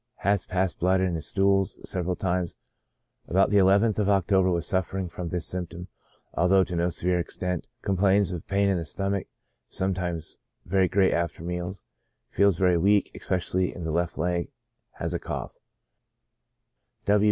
Has passed blood in his stools several times; about the nth of October was suffering from this symptom, although to no severe extent. Complains of pain in the stomach, sometimes very great after meals ; feels very weak, especially in the left leg ; has a cough.